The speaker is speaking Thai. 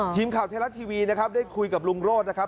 ทีมข่าวเทลาส์ทีวีได้คุยกับลุงโรธนะครับ